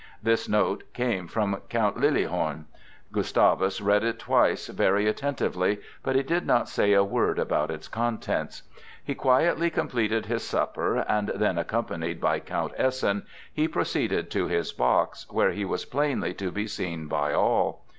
This note came from Count Liliehorn. Gustavus read it twice very attentively; but he did not say a word about its contents. He quietly completed his supper and then, accompanied by Count Essen, he proceeded to his box, where he was plainly to be seen by all.